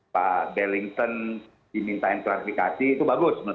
pak bellington dimintain transifikasi itu bagus memang ya